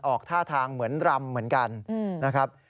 ออกท่าทางเหมือนรำเหมือนกันนะครับ